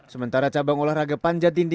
sementara cabang olahraga panjat tinggi